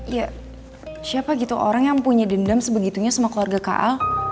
ya siapa gitu orang yang punya dendam sebegitunya sama keluarga kal